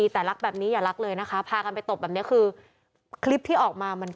แต่ผู้ชายนะอยู่กันเยอะขนาดนั้นห้ามหน่อย